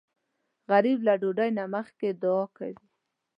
غریب له ډوډۍ نه مخکې دعا کوي